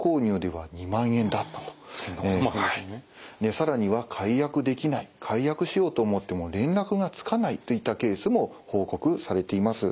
更には解約できない解約しようと思っても連絡がつかないといったケースも報告されています。